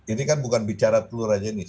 ini kan bukan bicara telur aja nih